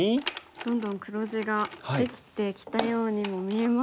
どんどん黒地ができてきたようにも見えますが。